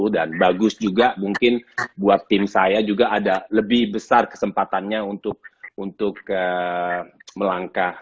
dan bagus juga mungkin buat tim saya juga ada lebih besar kesempatannya untuk melangkah